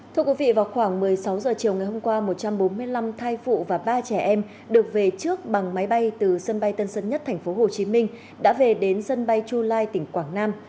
thưa quý vị vào khoảng một mươi sáu h chiều ngày hôm qua một trăm bốn mươi năm thai phụ và ba trẻ em được về trước bằng máy bay từ sân bay tân sơn nhất tp hcm đã về đến sân bay chu lai tỉnh quảng nam